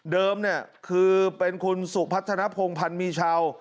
เนี่ยคือเป็นคุณสุพัฒนภงพันธ์มีชาว